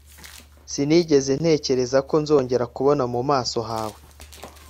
Sinigeze ntekereza ko nzongera kubona mu maso hawe